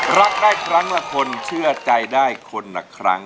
รักได้ครั้งละคนเชื่อใจได้คนละครั้ง